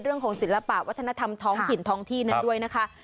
เรื่องของศิลปะวัฒนธรรมท้องผินท้องที่นั้นด้วยนะคะ